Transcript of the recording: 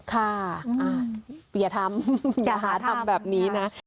ค่ะอย่าทำอย่าหาทำแบบนี้นะ